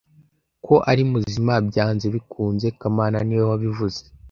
Ko ari muzima byanze bikunze kamana niwe wabivuze